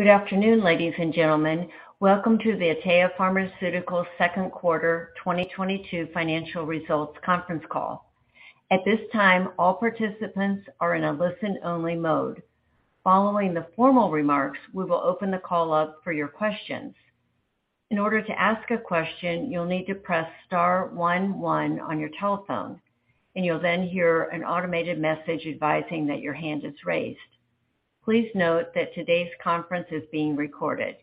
Good afternoon, ladies and gentlemen. Welcome to the Atea Pharmaceuticals Q2 2022 financial results conference call. At this time, all participants are in a listen-only mode. Following the formal remarks, we will open the call up for your questions. In order to ask a question, you'll need to press star one one on your telephone, and you'll then hear an automated message advising that your hand is raised. Please note that today's conference is being recorded.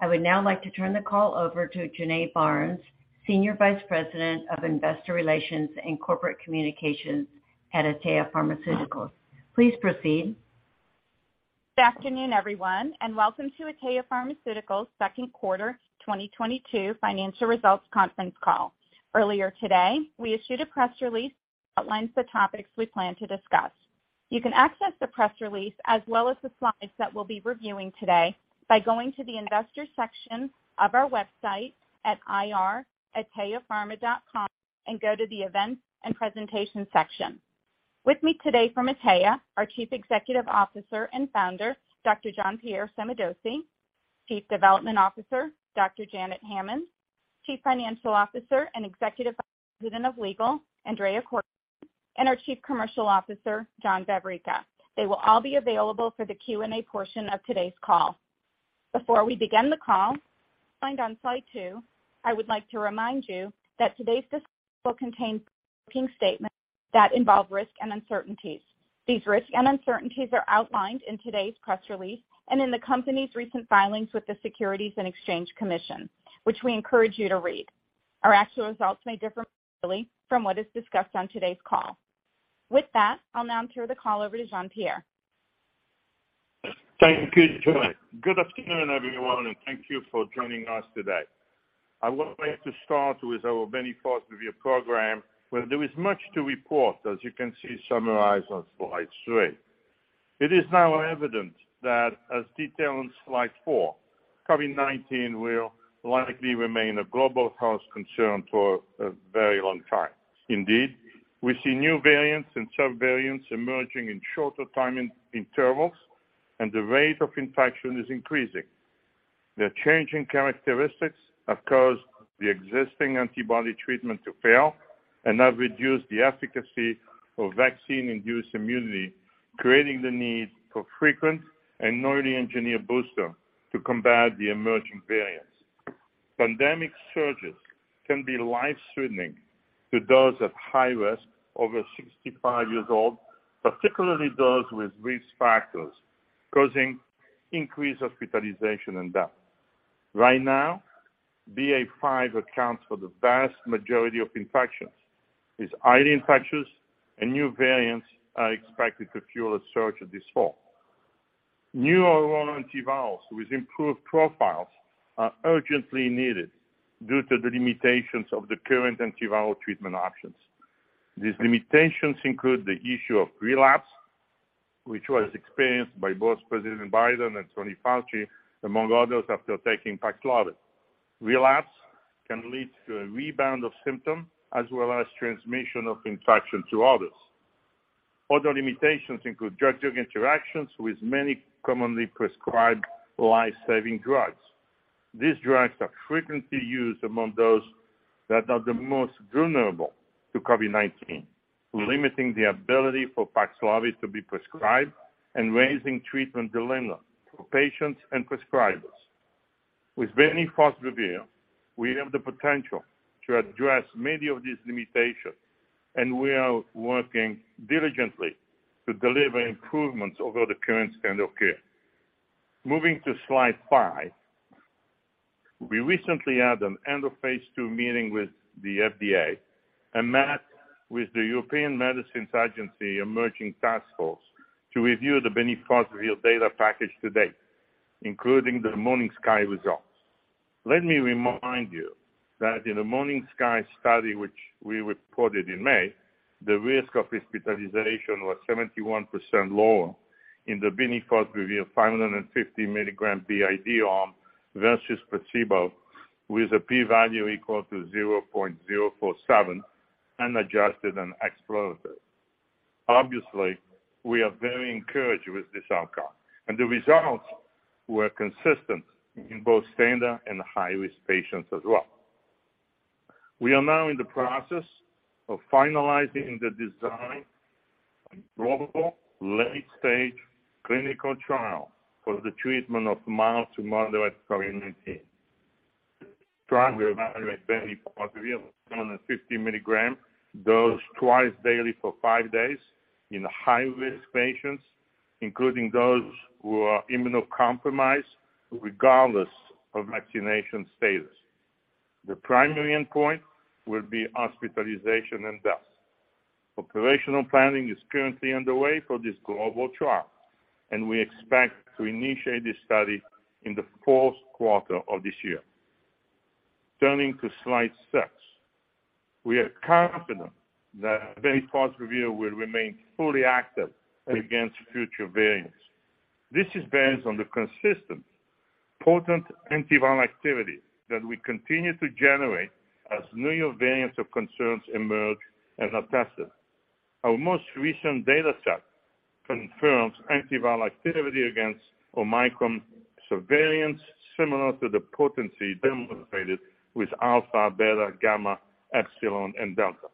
I would now like to turn the call over to Jonae Barnes, Senior Vice President of Investor Relations and Corporate Communications at Atea Pharmaceuticals. Please proceed. Good afternoon, everyone, and welcome to Atea Pharmaceuticals Q2 2022 financial results conference call. Earlier today, we issued a press release that outlines the topics we plan to discuss. You can access the press release as well as the slides that we'll be reviewing today by going to the investor section of our website at ir.ateapharma.com and go to the events and presentation section. With me today from Atea, our Chief Executive Officer and Founder, Dr. Jean-Pierre Sommadossi, Chief Development Officer, Dr. Janet Hammond, Chief Financial Officer and Executive Vice President of Legal, Andrea Corcoran, and our Chief Commercial Officer, John Vavricka. They will all be available for the Q&A portion of today's call. Before we begin the call, as outlined on slide two, I would like to remind you that today's discussion will contain forward-looking statements that involve risks and uncertainties. These risks and uncertainties are outlined in today's press release and in the company's recent filings with the Securities and Exchange Commission, which we encourage you to read. Our actual results may differ materially from what is discussed on today's call. With that, I'll now turn the call over to Jean-Pierre. Thank you, Jonae. Good afternoon, everyone, and thank you for joining us today. I would like to start with our bemnifosbuvir review program where there is much to report, as you can see summarized on slide three. It is now evident that, as detailed on slide four, COVID-19 will likely remain a global health concern for a very long time. Indeed, we see new variants and sub-variants emerging in shorter time intervals and the rate of infection is increasing. The changing characteristics have caused the existing antibody treatment to fail and have reduced the efficacy of vaccine-induced immunity, creating the need for frequent and newly engineered booster to combat the emerging variants. Pandemic surges can be life-threatening to those at high risk over 65 years old, particularly those with risk factors causing increased hospitalization and death. Right now, BA.5 accounts for the vast majority of infections. It's highly infectious, and new variants are expected to fuel a surge this fall. Newer oral antivirals with improved profiles are urgently needed due to the limitations of the current antiviral treatment options. These limitations include the issue of relapse, which was experienced by both President Biden and Tony Fauci, among others, after taking Paxlovid. Relapse can lead to a rebound of symptoms as well as transmission of infection to others. Other limitations include drug-drug interactions with many commonly prescribed life-saving drugs. These drugs are frequently used among those that are the most vulnerable to COVID-19, limiting the ability for Paxlovid to be prescribed and raising treatment dilemma for patients and prescribers. With bemnifosbuvir, we have the potential to address many of these limitations, and we are working diligently to deliver improvements over the current standard of care. Moving to slide five. We recently had an end-of-phase II meeting with the FDA and met with the European Medicines Agency emerging task force to review the bemnifosbuvir data package to date, including the MORNINGSKY results. Let me remind you that in the MORNINGSKY study, which we reported in May, the risk of hospitalization was 71% lower in the bemnifosbuvir 550 mg BID arm versus placebo with a P value equal to 0.047, unadjusted and exploratory. Obviously, we are very encouraged with this outcome, and the results were consistent in both standard and high-risk patients as well. We are now in the process of finalizing the design of global late-stage clinical trial for the treatment of mild to moderate COVID-19. The trial will evaluate bemnifosbuvir 750-milligram dose twice daily for five days in high-risk patients, including those who are immunocompromised regardless of vaccination status. The primary endpoint will be hospitalization and death. Operational planning is currently underway for this global trial, and we expect to initiate this study in the fourth quarter of this year. Turning to slide 6. We are confident that bemnifosbuvir will remain fully active against future variants. This is based on the consistent, potent antiviral activity that we continue to generate as new variants of concern emerge and are tested. Our most recent data set confirms antiviral activity against Omicron subvariants similar to the potency demonstrated with Alpha, Beta, Gamma, Epsilon, and Delta.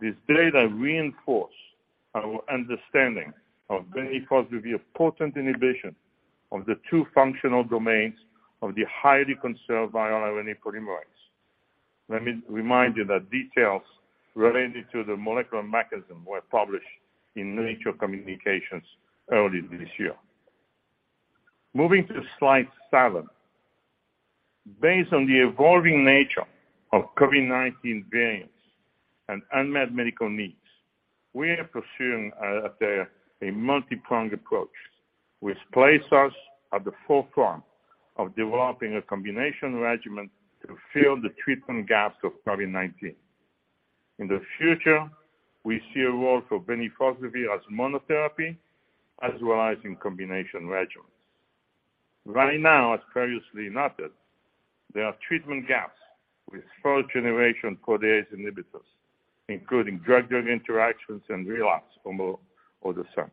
This data reinforce our understanding of bemnifosbuvir potent inhibition of the two functional domains of the highly conserved viral RNA polymerase. Let me remind you that details related to the molecular mechanism were published in Nature Communications earlier this year. Moving to slide seven. Based on the evolving nature of COVID-19 variants and unmet medical needs, we are pursuing a multi-pronged approach which place us at the forefront of developing a combination regimen to fill the treatment gaps of COVID-19. In the future, we see a role for bemnifosbuvir as monotherapy, as well as in combination regimens. Right now, as previously noted, there are treatment gaps with fourth generation protease inhibitors, including drug-drug interactions and relapse from other SERMs.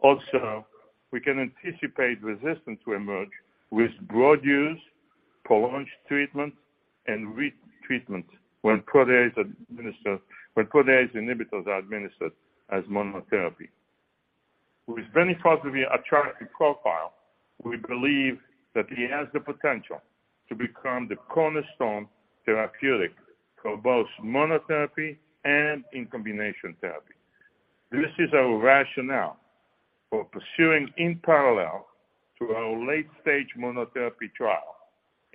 Also, we can anticipate resistance to emerge with broad use, prolonged treatment, and re-treatment when protease inhibitors are administered as monotherapy. With bemnifosbuvir attractive profile, we believe that it has the potential to become the cornerstone therapeutic for both monotherapy and in combination therapy. This is our rationale for pursuing in parallel to our late-stage monotherapy trial,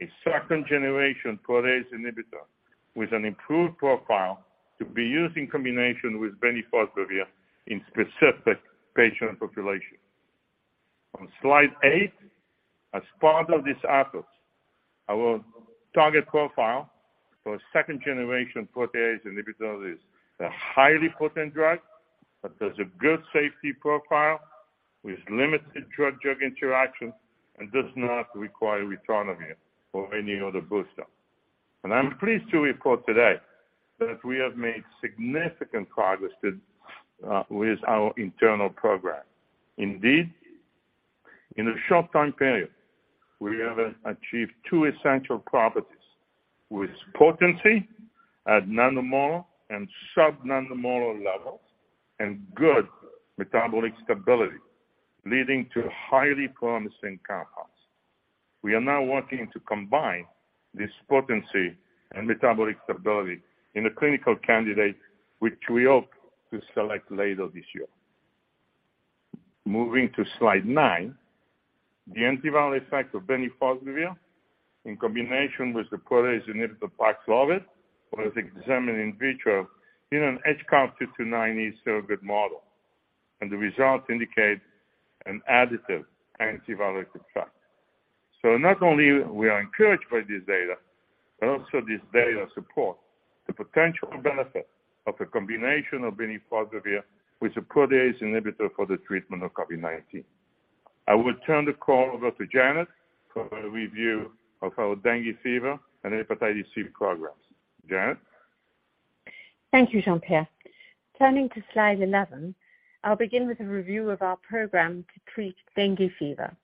a second generation protease inhibitor with an improved profile to be used in combination with bemnifosbuvir in specific patient population. On slide eight, as part of this effort, our target profile for a second generation protease inhibitor is a highly potent drug that has a good safety profile, with limited drug-drug interaction, and does not require ritonavir or any other booster. I'm pleased to report today that we have made significant progress with our internal program. Indeed, in a short time period, we have achieved two essential properties with potency at nanomolar and sub-nanomolar levels and good metabolic stability, leading to highly promising compounds. We are now working to combine this potency and metabolic stability in a clinical candidate, which we hope to select later this year. Moving to slide nine, the antiviral effect of bemnifosbuvir in combination with the protease inhibitor Paxlovid was examined in vitro in an HK-2 model, and the results indicate an additive antiviral effect. Not only we are encouraged by this data, but also this data support the potential benefit of a combination of bemnifosbuvir with a protease inhibitor for the treatment of COVID-19. I will turn the call over to Janet for a review of our dengue fever and hepatitis C programs. Janet? Thank you, Jean-Pierre. Turning to slide 11, I'll begin with a review of our program to treat dengue fever.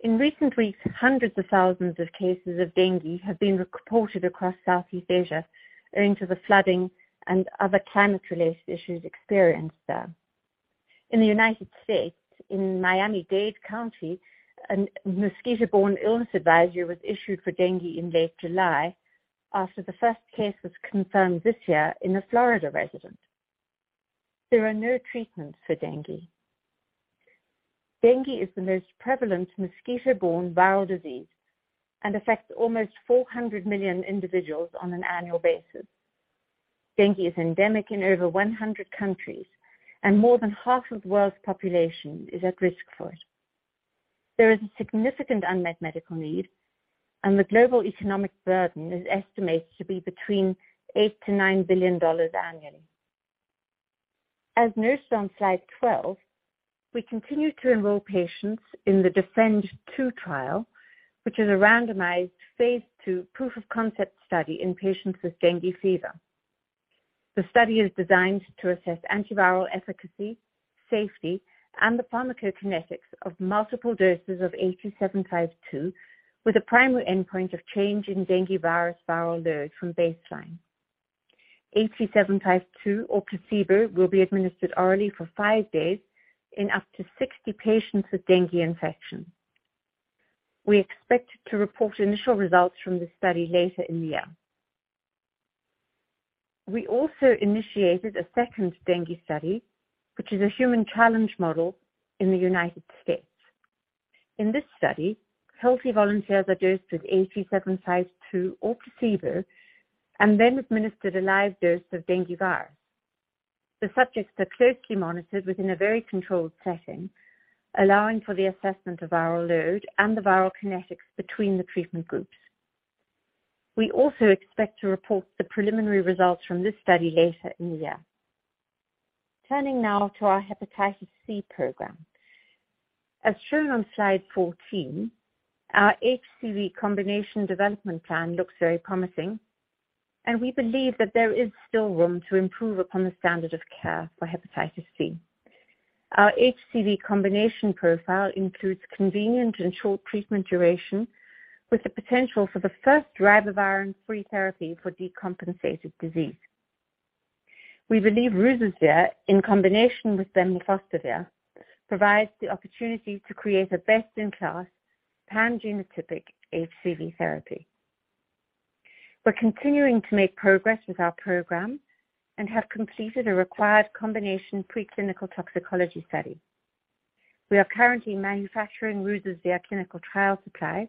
In recent weeks, hundreds of thousands of cases of dengue have been reported across Southeast Asia owing to the flooding and other climate-related issues experienced there. In the United States, in Miami-Dade County, a mosquito-borne illness advisory was issued for dengue in late July after the first case was confirmed this year in a Florida resident. There are no treatments for dengue. Dengue is the most prevalent mosquito-borne viral disease and affects almost 400 million individuals on an annual basis. Dengue is endemic in over 100 countries and more than half of the world's population is at risk for it. There is a significant unmet medical need and the global economic burden is estimated to be between $8 billion-$9 billion annually. As noted on slide 12, we continue to enroll patients in the DEFEND-2 trial, which is a randomized phase II proof of concept study in patients with dengue fever. The study is designed to assess antiviral efficacy, safety, and the pharmacokinetics of multiple doses of AT-752, with a primary endpoint of change in dengue virus viral load from baseline. AT-752 or placebo will be administered orally for five days in up to 60 patients with dengue infection. We expect to report initial results from this study later in the year. We also initiated a second dengue study, which is a human challenge model in the United States. In this study, healthy volunteers are dosed with AT-752 or placebo, and then administered a live dose of dengue virus. The subjects are closely monitored within a very controlled setting, allowing for the assessment of viral load and the viral kinetics between the treatment groups. We also expect to report the preliminary results from this study later in the year. Turning now to our hepatitis C program. As shown on slide 14, our HCV combination development plan looks very promising, and we believe that there is still room to improve upon the standard of care for hepatitis C. Our HCV combination profile includes convenient and short treatment duration, with the potential for the first ribavirin-free therapy for decompensated disease. We believe ruzasvir, in combination with bemnifosbuvir, provides the opportunity to create a best-in-class pan-genotypic HCV therapy. We're continuing to make progress with our program and have completed a required combination preclinical toxicology study. We are currently manufacturing ruzasvir clinical trial supply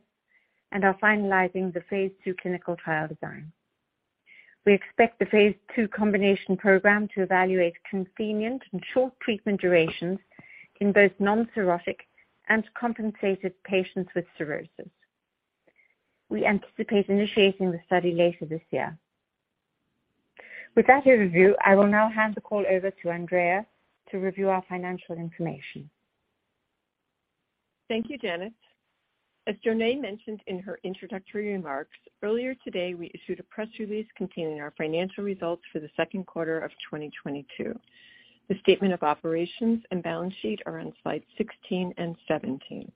and are finalizing the phase 2 clinical trial design. We expect the phase 2 combination program to evaluate convenient and short treatment durations in both non-cirrhotic and compensated patients with cirrhosis. We anticipate initiating the study later this year. With that overview, I will now hand the call over to Andrea to review our financial information. Thank you, Janet. As Jonae mentioned in her introductory remarks, earlier today we issued a press release containing our financial results for the Q2 of 2022. The statement of operations and balance sheet are on slide 16 and 17.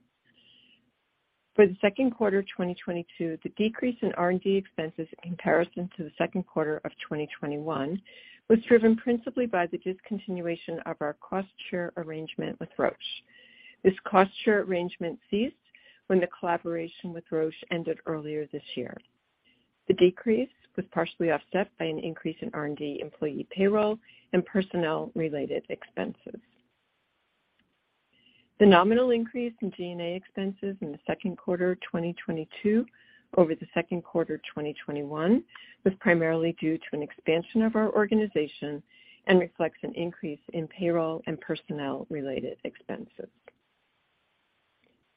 For the Q2 of 2022, the decrease in R&D expenses in comparison to the Q2 of 2021 was driven principally by the discontinuation of our cost share arrangement with Roche. This cost share arrangement ceased when the collaboration with Roche ended earlier this year. The decrease was partially offset by an increase in R&D employee payroll and personnel-related expenses. The nominal increase in G&A expenses in the Q2 of 2022 over the Q2 of 2021 was primarily due to an expansion of our organization and reflects an increase in payroll and personnel-related expenses.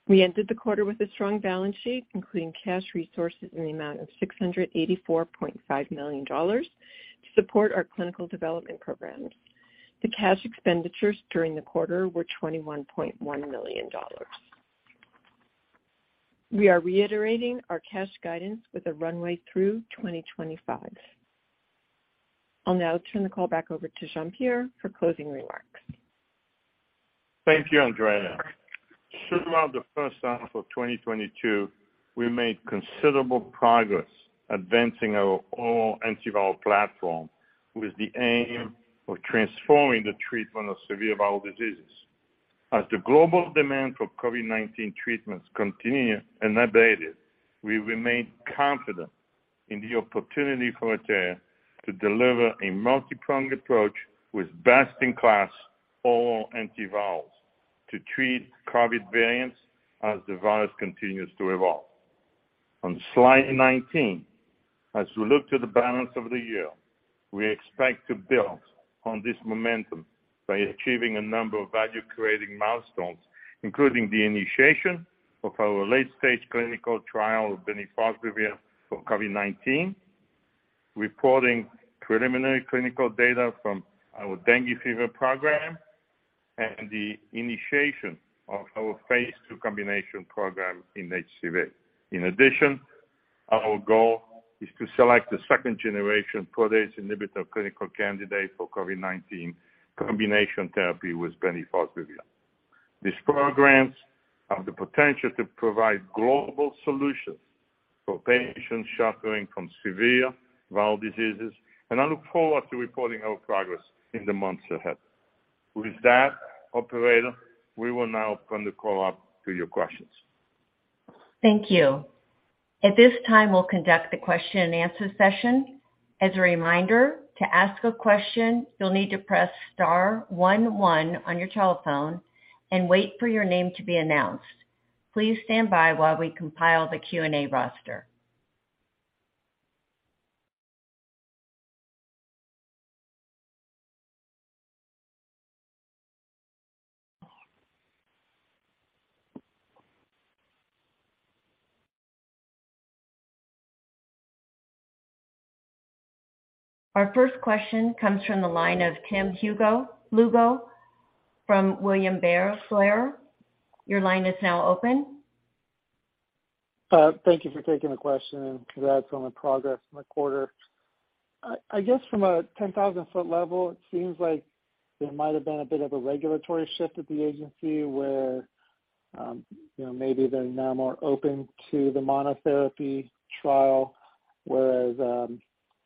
We ended the quarter with a strong balance sheet, including cash resources in the amount of $684.5 million to support our clinical development programs. The cash expenditures during the quarter were $21.1 million. We are reiterating our cash guidance with a runway through 2025. I'll now turn the call back over to Jean-Pierre for closing remarks. Thank you, Andrea. Throughout the H1 of 2022, we made considerable progress advancing our oral antiviral platform with the aim of transforming the treatment of severe viral diseases. As the global demand for COVID-19 treatments continue unabated, we remain confident in the opportunity for Atea to deliver a multipronged approach with best-in-class oral antivirals to treat COVID variants as the virus continues to evolve. On slide 19, as we look to the balance of the year, we expect to build on this momentum by achieving a number of value-creating milestones, including the initiation of our late-stage clinical trial of bemnifosbuvir for COVID-19, reporting preliminary clinical data from our dengue fever program, and the initiation of our phase II combination program in HCV. In addition, our goal is to select the second generation protease inhibitor clinical candidate for COVID-19 combination therapy with bemnifosbuvir. These programs have the potential to provide global solutions for patients suffering from severe viral diseases, and I look forward to reporting our progress in the months ahead. With that, operator, we will now open the call up to your questions. Thank you. At this time, we'll conduct the question-and-answer session. As a reminder, to ask a question, you'll need to press star one one on your telephone and wait for your name to be announced. Please stand by while we compile the Q&A roster. Our first question comes from the line of Tim Lugo from William Blair. Your line is now open. Thank you for taking the question and congrats on the progress in the quarter. I guess from a 10,000-foot level, it seems like there might have been a bit of a regulatory shift at the agency where, you know, maybe they're now more open to the monotherapy trial, whereas,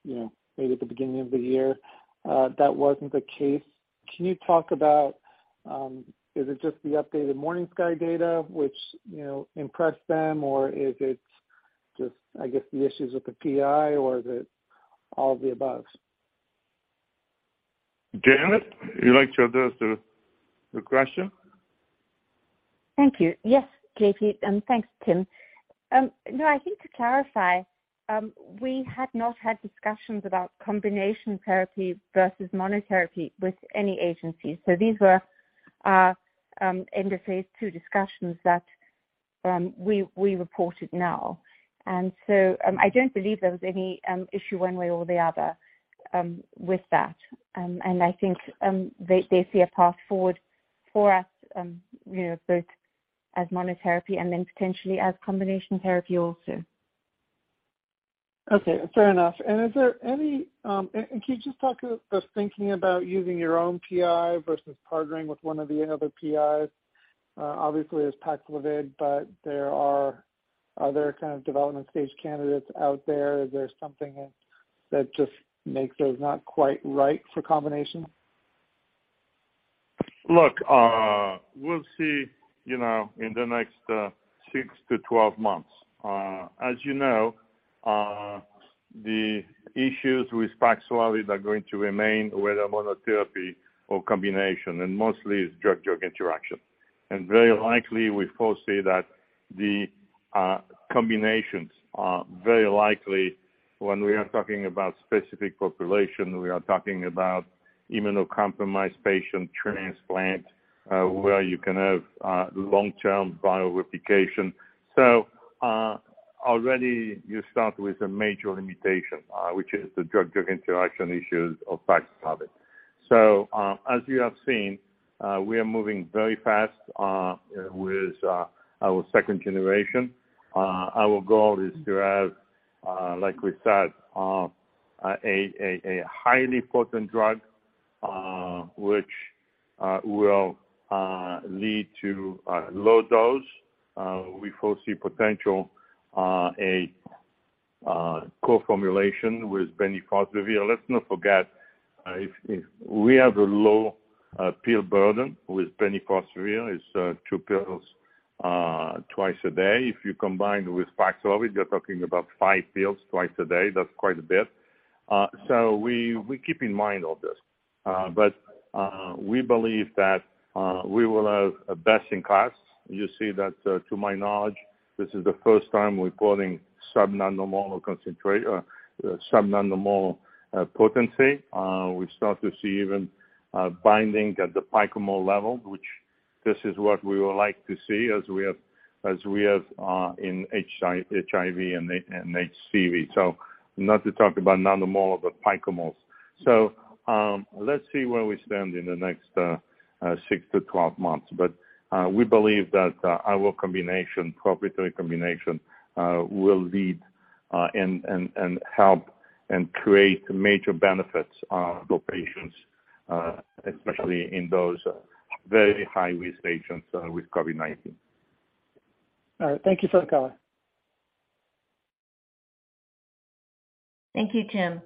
you know, maybe at the beginning of the year, that wasn't the case. Can you talk about, is it just the updated MORNINGSKY data which, you know, impressed them? Or is it just, I guess, the issues with the PI, or is it all of the above? Janet, would you like to address the question? Thank you. Yes, JP, and thanks, Tim. No, I think to clarify, we had not had discussions about combination therapy versus monotherapy with any agency. These were our end of phase 2 discussions that We reported now. I don't believe there was any issue one way or the other with that. I think they see a path forward for us, you know, both as monotherapy and then potentially as combination therapy also. Okay, fair enough. Is there anything, and can you just talk through the thinking about using your own PI versus partnering with one of the other PIs? Obviously there's Paxlovid, but there are other kind of development stage candidates out there. Is there something that just makes those not quite right for combination? Look, we'll see, you know, in the next six-12 months. As you know, the issues with Paxlovid are going to remain, whether monotherapy or combination, and mostly it's drug-drug interaction. Very likely, we foresee that the combinations are very likely when we are talking about specific population, we are talking about immunocompromised patient transplant, where you can have long-term viral replication. Already you start with a major limitation, which is the drug-drug interaction issues of Paxlovid. As you have seen, we are moving very fast with our second generation. Our goal is to have, like we said, a highly potent drug, which will lead to a low dose. We foresee potential a co-formulation with bemnifosbuvir. Let's not forget, if we have a low pill burden with bemnifosbuvir, it's two pills twice a day. If you combine with Paxlovid, you're talking about five pills twice a day. That's quite a bit. We keep in mind all this. We believe that we will have a best in class. You see that, to my knowledge, this is the first time we're showing sub-nanomolar or sub-nanomole potency. We start to see even binding at the picomolar level, which this is what we would like to see as we have in HIV and HCV. Not to talk about nanomolar, but picomolar. Let's see where we stand in the next 6-12 months. We believe that our combination, proprietary combination, will lead and help and create major benefits for patients, especially in those very high risk patients, with COVID-19. All right. Thank you for the color. Thank you, Tim.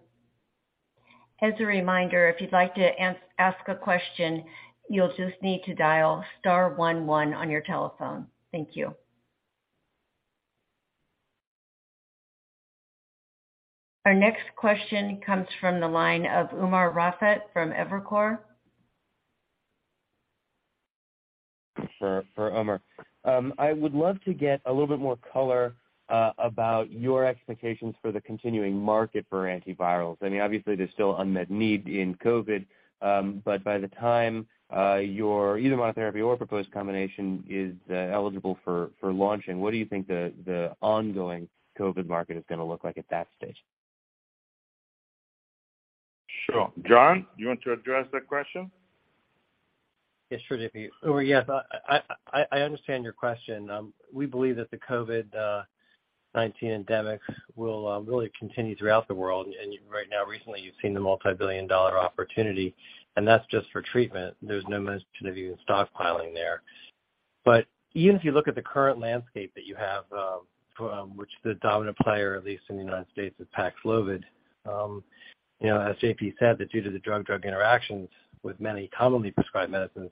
As a reminder, if you'd like to ask a question, you'll just need to dial star one one on your telephone. Thank you. Our next question comes from the line of Umer Raffat from Evercore. Sure. For Umer. I would love to get a little bit more color about your expectations for the continuing market for antivirals. I mean, obviously there's still unmet need in COVID, but by the time your either monotherapy or proposed combination is eligible for launching, what do you think the ongoing COVID market is gonna look like at that stage? Sure. John, you want to address that question? Yes, sure, JP. Umer, yes, I understand your question. We believe that the COVID-19 endemic will really continue throughout the world. Right now, recently you've seen the multi-billion-dollar opportunity, and that's just for treatment. There's no mention of even stockpiling there. Even if you look at the current landscape that you have, from which the dominant player, at least in the United States, is Paxlovid, you know, as JP said that due to the drug-drug interactions with many commonly prescribed medicines,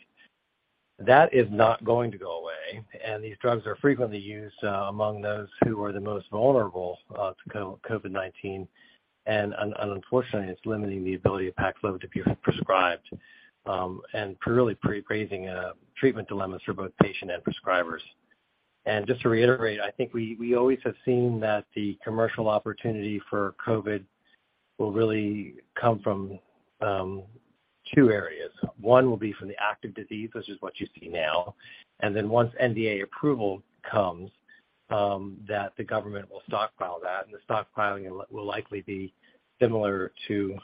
that is not going to go away. These drugs are frequently used among those who are the most vulnerable to COVID-19. Unfortunately, it's limiting the ability of Paxlovid to be prescribed and really creating treatment dilemmas for both patient and prescribers. Just to reiterate, I think we always have seen that the commercial opportunity for COVID will really come from two areas. One will be from the active disease, which is what you see now. Then once NDA approval comes, that the government will stockpile that, and the stockpiling will likely be similar to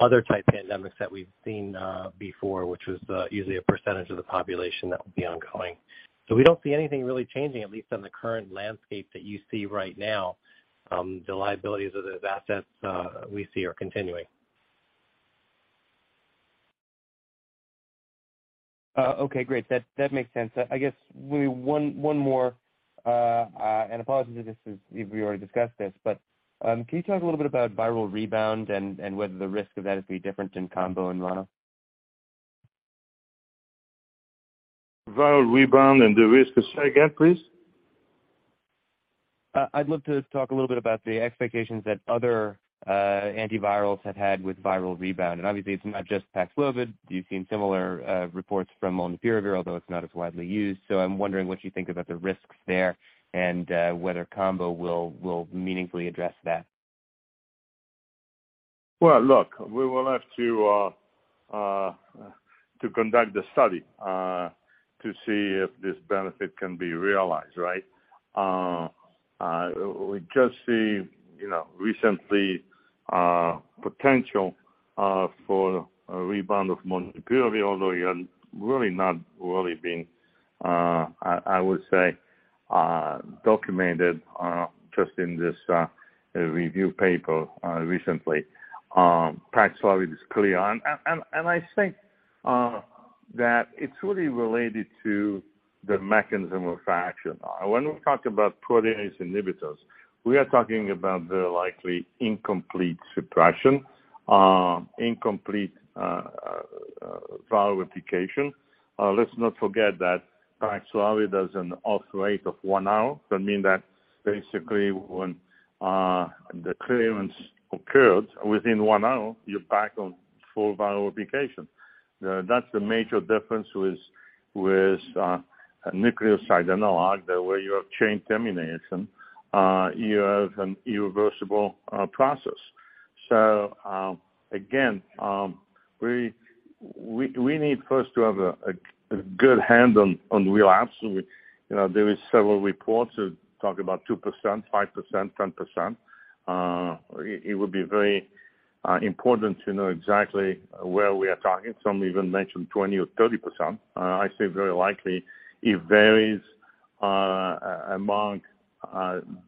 other type pandemics that we've seen before, which was usually a percentage of the population that would be ongoing. We don't see anything really changing, at least on the current landscape that you see right now. The liabilities of those assets we see are continuing. Okay, great. That makes sense. I guess maybe one more, and apologies if we already discussed this, but can you talk a little bit about viral rebound and whether the risk of that would be different in combo and mono? Viral rebound and the risk. Say again, please. I'd love to talk a little bit about the expectations that other antivirals have had with viral rebound. Obviously it's not just Paxlovid. You've seen similar reports from molnupiravir, although it's not as widely used. I'm wondering what you think about the risks there and whether combo will meaningfully address that. Well, look, we will have to conduct the study to see if this benefit can be realized, right? We just see, you know, recently, potential for a rebound of molnupiravir, although it's not really being documented, I would say, just in this review paper, recently. Paxlovid is clear. I think that it's really related to the mechanism of action. When we talk about protease inhibitors, we are talking about the likely incomplete suppression, incomplete viral replication. Let's not forget that Paxlovid has a half-life of one hour. That mean that basically when the clearance occurs within one hour, you're back on full viral replication. That's the major difference with a nucleoside analog, the way you have chain termination, you have an irreversible process. Again, we need first to have a good handle on relapse. You know, there is several reports that talk about 2%, 5%, 10%. It would be very important to know exactly where we are talking. Some even mentioned 20% or 30%. I say very likely it varies among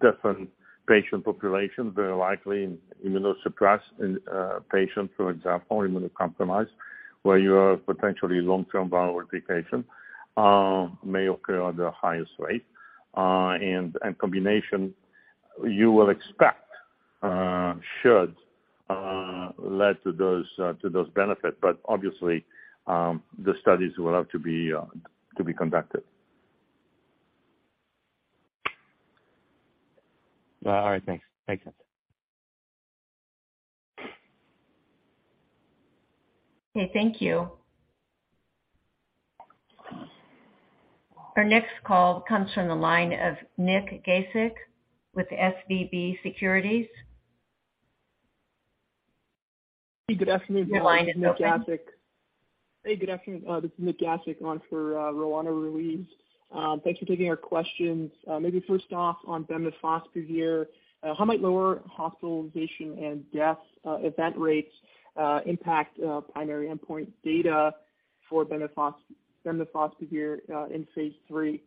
different patient populations, very likely immunosuppressed in patients, for example, immunocompromised, where you have potentially long-term viral replication may occur at the highest rate. Combination you will expect should lead to those benefit. Obviously, the studies will have to be conducted. All right. Thanks. Makes sense. Okay, thank you. Our next call comes from the line of Nik Gasic with SVB Securities. Good afternoon. Your line is open. Hey, good afternoon. This is Nik Gasic on for Roanna Ruiz. Thanks for taking our questions. Maybe first off, on bemnifosbuvir, how might lower hospitalization and death event rates impact primary endpoint data for bemnifosbuvir in phase III?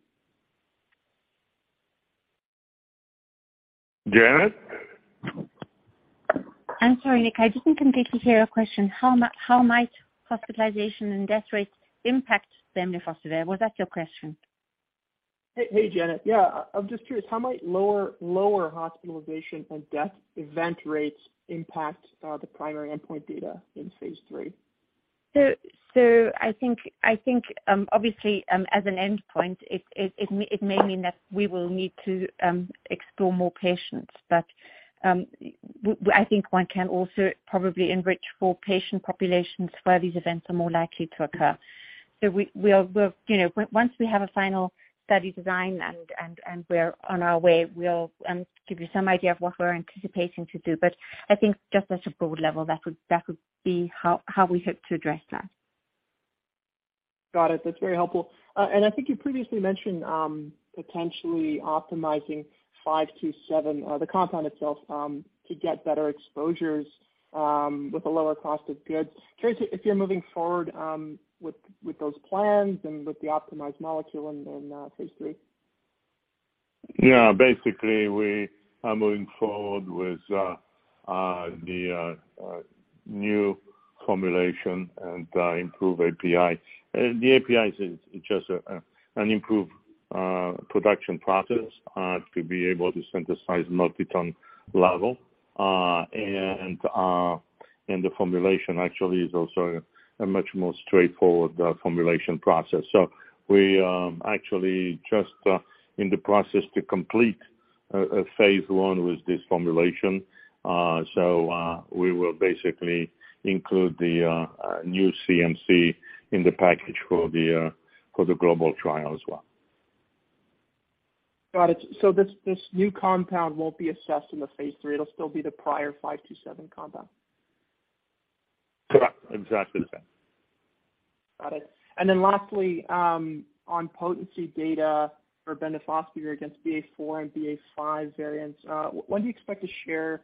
Janet? I'm sorry, Nik, I didn't completely hear your question. How might hospitalization and death rates impact bemnifosbuvir? Was that your question? Hey, hey, Janet. Yeah. I'm just curious, how might lower hospitalization and death event rates impact the primary endpoint data in phase III? I think obviously as an endpoint, it may mean that we will need to explore more patients. I think one can also probably enrich for patient populations where these events are more likely to occur. You know, once we have a final study design and we're on our way, we'll give you some idea of what we're anticipating to do. I think just at a broad level, that would be how we hope to address that. Got it. That's very helpful. I think you previously mentioned potentially optimizing AT-527, the compound itself, to get better exposures, with a lower cost of goods. Curious if you're moving forward with those plans and with the optimized molecule in phase III. Yeah, basically, we are moving forward with the new formulation and improved API. The API is just an improved production process to be able to synthesize multi-ton level. The formulation actually is also a much more straightforward formulation process. We are actually just in the process to complete a phase I with this formulation. We will basically include the new CMC in the package for the global trial as well. Got it. This new compound won't be assessed in the phase III. It'll still be the prior AT-527 compound. Correct. Exactly the same. Got it. Lastly, on potency data for bemnifosbuvir against BA.4 and BA.5 variants, when do you expect to share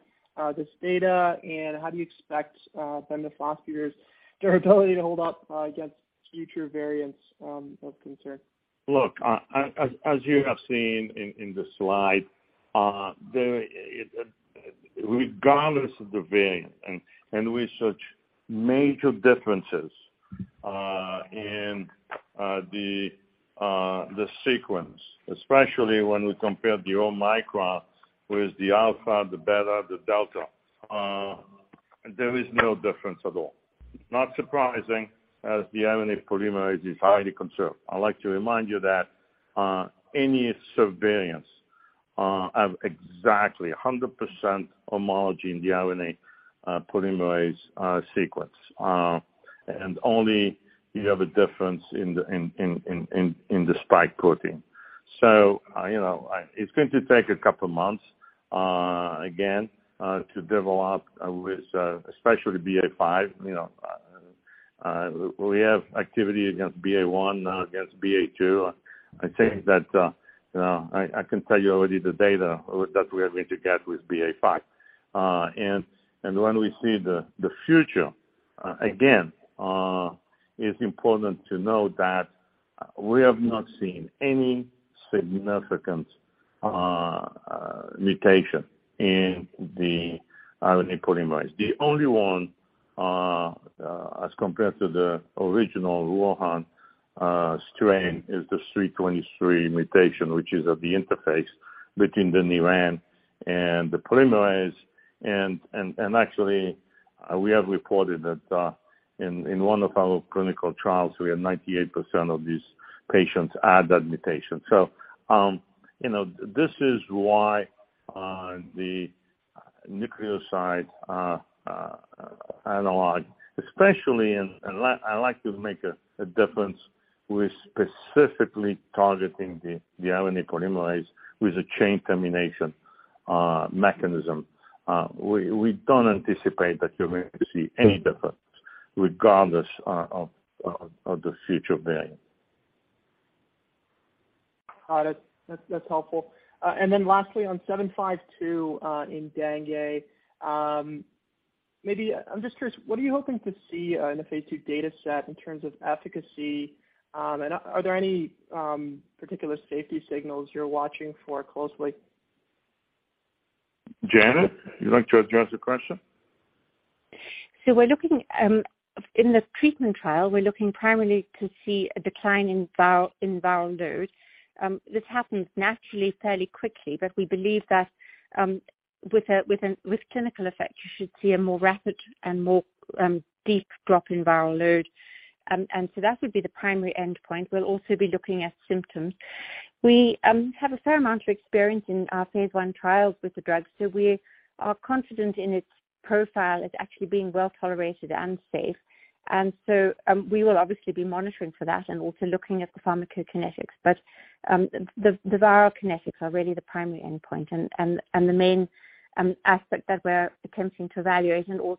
this data, and how do you expect bemnifosbuvir's durability to hold up against future variants of concern? Look, as you have seen in the slide, the... Regardless of the variant, and we see no major differences in the sequence, especially when we compare the Omicron with the Alpha, the Beta, the Delta, there is no difference at all. Not surprising, as the RNA polymerase is highly conserved. I'd like to remind you that any subvariants have exactly 100% homology in the RNA polymerase sequence. And only in the spike protein. You know, it's going to take a couple months, again, to develop, with especially BA.5, you know. We have activity against BA.1, now against BA.2. I think that, you know, I can tell you already the data that we are going to get with BA.5. When we see the future again, it's important to know that we have not seen any significant mutation in the RNA polymerase. The only one, as compared to the original Wuhan strain, is the 323 mutation, which is at the interface between the NiRAN and the polymerase. Actually, we have reported that in one of our clinical trials, we have 98% of these patients had that mutation. You know, this is why the nucleoside analog, especially and I like to make a difference with specifically targeting the RNA polymerase with a chain termination mechanism. We don't anticipate that you're going to see any difference regardless of the future variant. All right. That's helpful. Lastly, on AT-752, in dengue, maybe I'm just curious, what are you hoping to see in the phase II data set in terms of efficacy? Are there any particular safety signals you're watching for closely? Janet, you'd like to address the question? We're looking in the treatment trial primarily to see a decline in viral load. This happens naturally fairly quickly, but we believe that, with clinical effect, you should see a more rapid and more deep drop in viral load. That would be the primary endpoint. We'll also be looking at symptoms. We have a fair amount of experience in our phase one trials with the drug, so we are confident in its profile as actually being well-tolerated and safe. We will obviously be monitoring for that and also looking at the pharmacokinetics. The viral kinetics are really the primary endpoint and the main aspect that we're attempting to evaluate. We're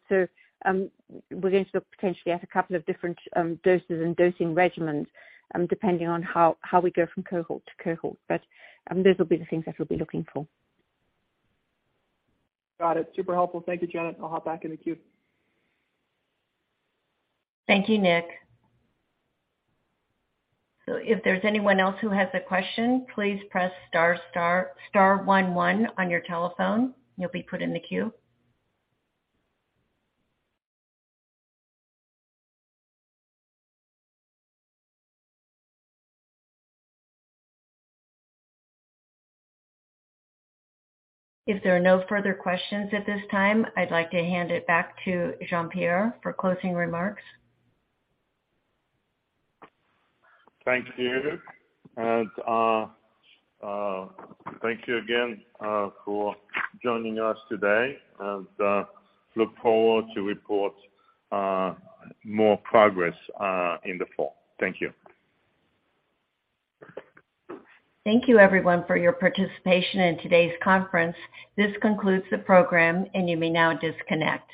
going to look potentially at a couple of different doses and dosing regimens, depending on how we go from cohort to cohort. Those will be the things that we'll be looking for. Got it. Super helpful. Thank you, Janet. I'll hop back in the queue. Thank you, Nik. If there's anyone else who has a question, please press star, star one one on your telephone. You'll be put in the queue. If there are no further questions at this time, I'd like to hand it back to Jean-Pierre for closing remarks. Thank you. Thank you again for joining us today, and look forward to report more progress in the fall. Thank you. Thank you everyone for your participation in today's conference. This concludes the program, and you may now disconnect.